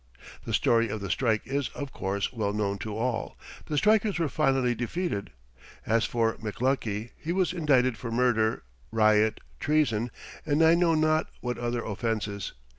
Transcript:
The story of the strike is, of course, well known to all. The strikers were finally defeated. As for McLuckie, he was indicted for murder, riot, treason, and I know not what other offenses.